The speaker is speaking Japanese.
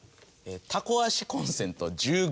たこ足コンセント１５。